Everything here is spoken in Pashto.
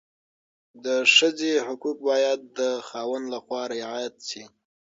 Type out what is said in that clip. د ښځې حقوق باید د خاوند لخوا رعایت شي.